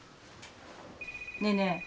ねえねえ。